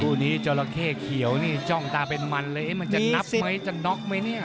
คู่นี้จราเข้เขียวนี่จ้องตาเป็นมันเลยมันจะนับไหมจะน็อกไหมเนี่ย